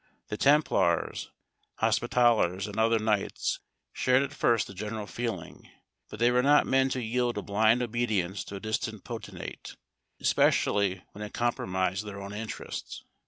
The Templars, Hospitallers, and other knights, shared at first the general feeling; but they were not men to yield a blind obedience to a distant potentate, especially when it compromised their own interests.